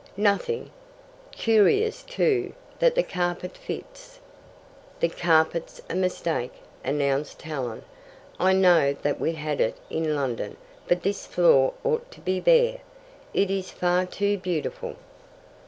"Nothing." "Curious, too, that the carpet fits." "The carpet's a mistake," announced Helen. "I know that we had it in London, but this floor ought to be bare. It is far too beautiful."